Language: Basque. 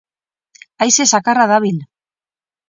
Haize zakarra dabil.